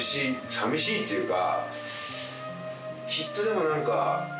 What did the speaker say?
さみしいっていうか。